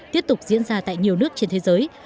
tiếp tục diễn ra tại nhiều nước trên thế giới